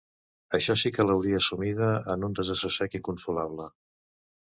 Això sí que l'hauria sumida en un desassossec inconsolable.